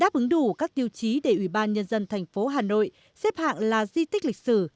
của các tiêu chí để ủy ban nhân dân thành phố hà nội xếp hạng là di tích lịch sử